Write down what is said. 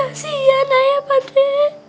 kasihian ayah bade